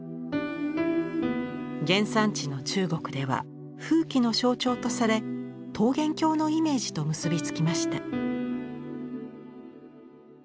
原産地の中国では富貴の象徴とされ桃源郷のイメージと結び付きました。